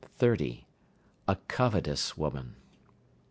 A covetous woman.